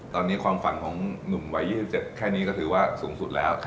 ตอนนี้ความฝันของหนุ่มวัย๒๗แค่นี้ก็ถือว่าสูงสุดแล้ว